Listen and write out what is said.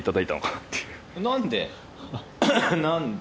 何で？